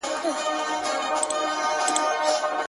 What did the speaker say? شاید دا خوب هم